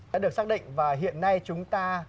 đã được xác định và hiện nay chúng ta